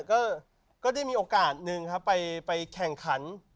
ก็ได้มีโอกาสหนึ่งครับไปแข่งขัน